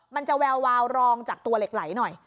มันจะแวววาวรองจากตัวเหล็กไหลหน่อย